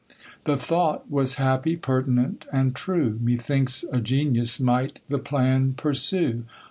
The thought was happy, pertinent, and true, Me thinks a genius might the plan pursue.